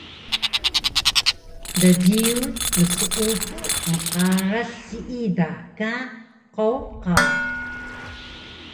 Djiyun mseupu mqaras siida ka qowqaw